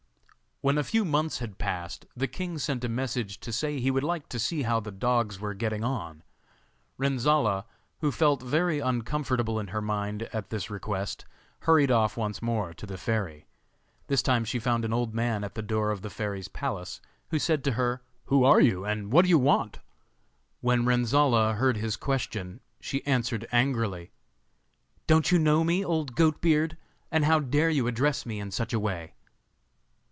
When a few months had passed the king sent a message to say he would like to see how the dogs were getting on. Renzolla, who felt very uncomfortable in her mind at this request, hurried off once more to the fairy. This time she found an old man at the door of the fairy's palace, who said to her: 'Who are you, and what do you want?' When Renzolla heard his question she answered angrily: 'Don't you know me, old Goat beard? And how dare you address me in such a way?